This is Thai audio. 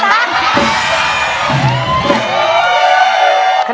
โมโฮโมโฮโมโฮ